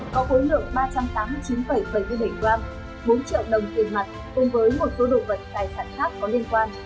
có khối lượng ba trăm tám mươi chín bảy mươi bảy gram bốn triệu đồng tiền mặt cùng với một số đồ vật tài sản khác có liên quan